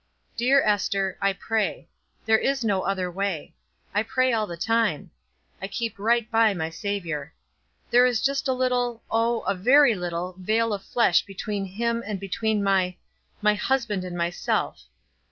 "Dear Ester, I pray. There is no other way. I pray all the time. I keep right by my Savior. There is just a little, oh, a very little, vale of flesh between him and between my my husband and myself.